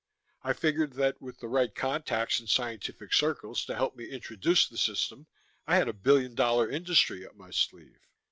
I figured that, with the right contacts in scientific circles to help me introduce the system, I had a billion dollar industry up my sleeve.